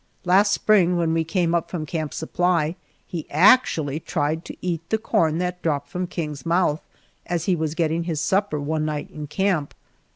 Last spring, when we came up from Camp Supply, he actually tried to eat the corn that dropped from King's mouth as he was getting his supper one night in camp.